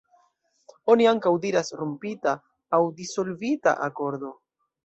Oni ankaŭ diras "rompita", aŭ "dissolvita" akordo.